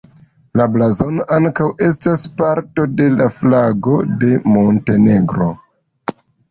La blazono ankaŭ estas parto de la flago de Montenegro.